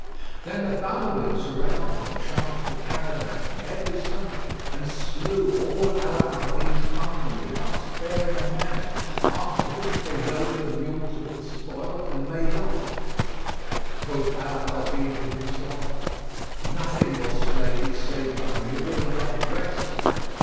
Then the Badawin surrounded and charged the caravan from every side and slew all Ala al Din's company without sparing a man: after which they loaded the mules with the spoil and made off. Quoth Ala al Din to himself, "Nothing will slay thee save thy mule and thy dress!"